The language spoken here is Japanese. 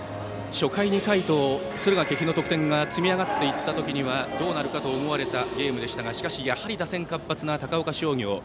初回２回と敦賀気比の得点が積みあがっていったときにはどうなるかと思われたゲームでしたがやはり打線活発な高岡商業。